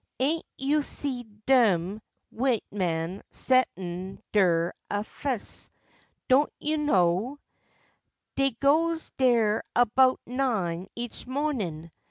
Ain't you seed dem w'ite men set'n in der awfice? Don't you know Dey goes der 'bout nine each mawnin?